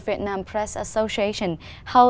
vì vậy nếu các bạn có cơ hội